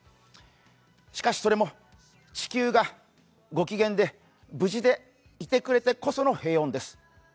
しかしそれも、地球がご機嫌で、無事でいてくれてこその平穏です。